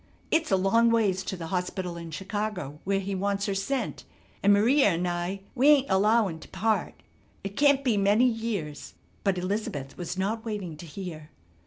It's a long ways to the hospital in Chicago where he wants her sent, and M'ria and I, we ain't allowin' to part. It can't be many years " But Elizabeth was not waiting to hear.